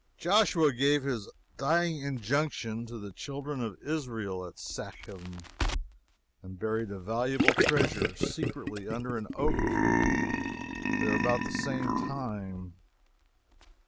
Joshua gave his dying injunction to the children of Israel at Shechem, and buried a valuable treasure secretly under an oak tree there about the same time.